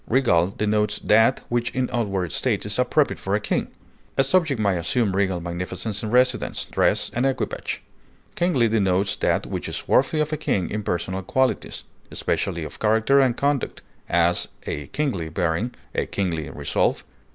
Regal denotes that which in outward state is appropriate for a king; a subject may assume regal magnificence in residence, dress, and equipage. Kingly denotes that which is worthy of a king in personal qualities, especially of character and conduct; as, a kingly bearing; a kingly resolve.